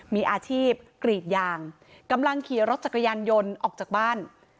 มีอาชีพกรีดยางกำลังขี่รถจักรยานยนต์ออกจากบ้าน